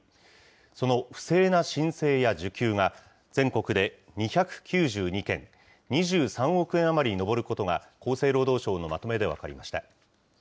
その不正な申請や受給が、全国で２９２件、２３億円余りに上ることが厚生労働省のまとめで分かりました。